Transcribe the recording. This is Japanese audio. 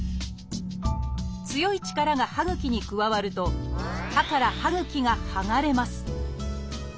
強い力が歯ぐきに加わると歯から歯ぐきが剥がれます。